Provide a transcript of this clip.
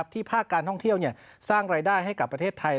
ภาคการท่องเที่ยวสร้างรายได้ให้กับประเทศไทย